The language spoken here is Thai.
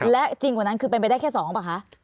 และจริงกว่านั้นคือเป็นไปได้แค่๒ป่ะคะ